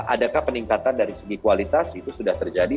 adakah peningkatan dari segi kualitas itu sudah terjadi